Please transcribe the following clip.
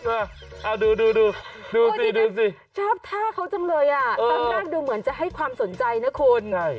อ่าดูดูสิจ้าบท่าเขาจังเลยอ่ะตั้งนี้ดูเหมือนจะให้ความสนใจน่ะคุณ